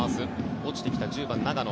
落ちてきた１０番、長野。